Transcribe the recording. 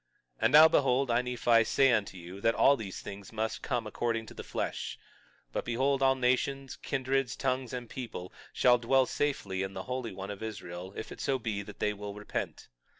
22:27 And now behold, I, Nephi, say unto you that all these things must come according to the flesh. 22:28 But, behold, all nations, kindreds, tongues, and people shall dwell safely in the Holy One of Israel if it so be that they will repent.